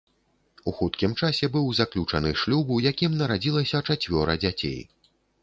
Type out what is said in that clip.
У хуткім часе быў заключаны шлюб, у якім нарадзілася чацвёра дзяцей.